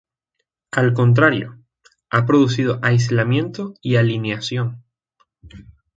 Al contrario: ha producido aislamiento y alienación.